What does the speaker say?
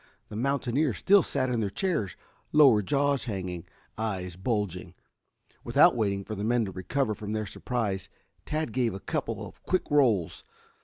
The mountaineers still sat in their chairs, lower jaws hanging, eyes bulging. Without waiting for the men to recover from their surprise, Tad gave a couple of quick rolls.